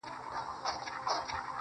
څنگه دي هېره كړمه,